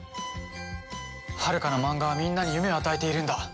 はるかのマンガはみんなに夢を与えているんだ！